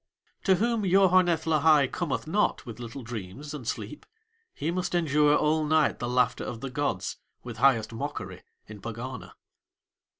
To whom Yoharneth Lahai cometh not with little dreams and sleep he must endure all night the laughter of the gods, with highest mockery, in Pegana.